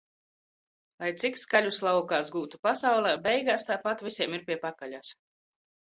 Lai cik skaļu slavu kāds gūtu pasaulē - beigās tāpat visiem ir pie pakaļas.